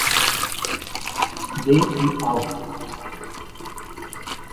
D y Ausf.